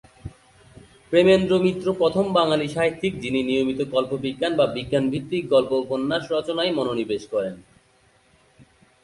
প্রেমেন্দ্র মিত্র প্রথম বাঙালি সাহিত্যিক যিনি নিয়মিত কল্পবিজ্ঞান বা বিজ্ঞান-ভিত্তিক গল্প-উপন্যাস রচনায় মনোনিবেশ করেন।